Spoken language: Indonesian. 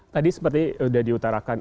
tadi seperti sudah diutarakan